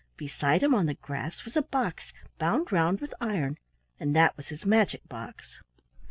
Beside him on the grass was a box bound round with iron, and that was his magic box.